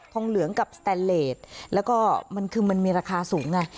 งเหลืองกับสแตนเลสแล้วก็มันคือมันมีราคาสูงไง